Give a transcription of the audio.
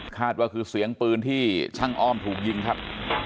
ว่าคือเสียงปืนที่ช่างอ้อมถูกยิงครับ